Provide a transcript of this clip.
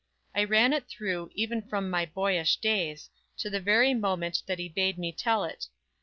I ran it through, even from my boyish days, To the very moment that he bade me tell it.